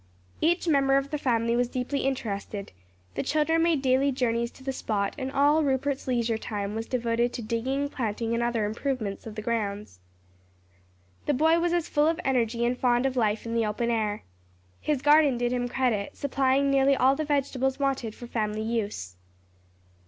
Each member of the family was deeply interested; the children made daily journeys to the spot and all Rupert's leisure time was devoted to digging, planting and other improvements of the grounds. The boy was full of energy and fond of life in the open air. His garden did him credit, supplying nearly all the vegetables wanted for family use.